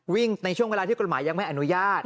ในช่วงเวลาที่กฎหมายยังไม่อนุญาต